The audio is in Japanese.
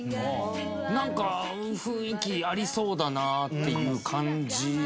なんか雰囲気ありそうだなっていう感じ。